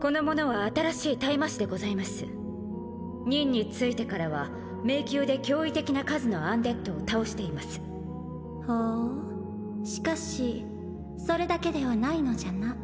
この者は新しい退魔士でございます任についてからは迷宮で驚異的な数のアンデッドを倒していますほうしかしそれだけではないのじゃな？